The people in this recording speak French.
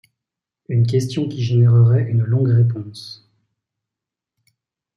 Une question qui générerait une longue réponse.